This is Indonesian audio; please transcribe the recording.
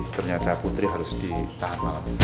ternyata putri harus ditahan malam ini